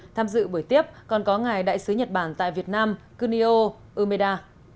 tham dự buổi tiếp còn có ngài đại sứ nhật bản tại việt nam kunio umeda